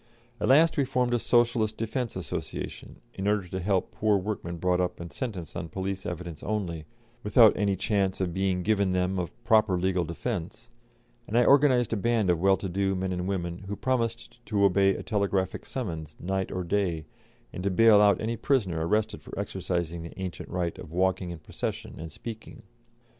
At last we formed a Socialist Defence Association, in order to help poor workmen brought up and sentenced on police evidence only, without any chance being given them of proper legal defence, and I organised a band of well to do men and women, who promised to obey a telegraphic summons, night or day, and to bail out any prisoner arrested for exercising the ancient right of walking in procession and speaking.